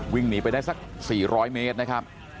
วิ่งหนีไปได้สัก๔๐๐เมตรนะครับ